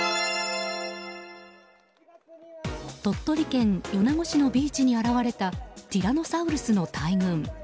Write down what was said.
鳥取県米子市のビーチに現れたティラノサウルスの大群。